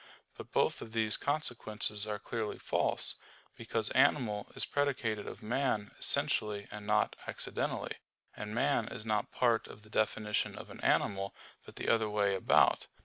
But both of these consequences are clearly false: because "animal" is predicated of man essentially and not accidentally; and man is not part of the definition of an animal, but the other way about.